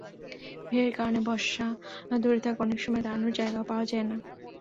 ভিড়ের কারণে বসা দূরে থাক, অনেক সময় দাঁড়ানোর জায়গাও পাওয়া যায় না।